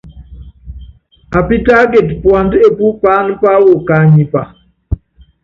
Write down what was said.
Apítákiti puandá epú paáná páwɔ kaánipa.